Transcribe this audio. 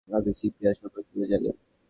আপনি সিপিআর সম্পর্কে কিভাবে জানেন?